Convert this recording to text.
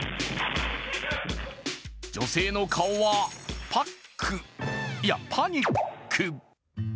女性の顔はパックいや、パニック。